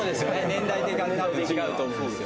年代でたぶん違うと思うんですよ